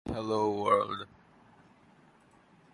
Others object to textbooks on epistemological grounds.